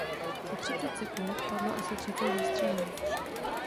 Za třicet sekund padlo asi třicet výstřelů.